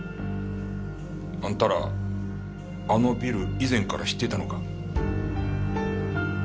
あんたらあのビル以前から知っていたのか？